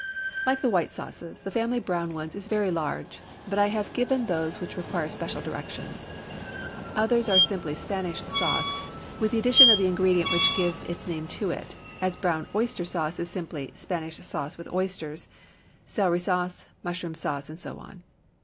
Like the white sauces, the family of brown ones is very large, but I have given those which require special directions. Others are simply Spanish sauce with the addition of the ingredient which gives its name to it, as brown oyster sauce is simply Spanish sauce with oysters, celery sauce, mushroom sauce, and so on.